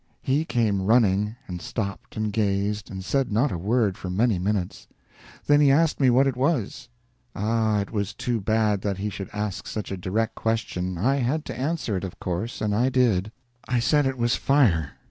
He came running, and stopped and gazed, and said not a word for many minutes. Then he asked what it was. Ah, it was too bad that he should ask such a direct question. I had to answer it, of course, and I did. I said it was fire.